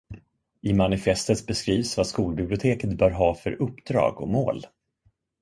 I manifestet beskrivs vad skolbiblioteket bör ha för uppdrag och mål.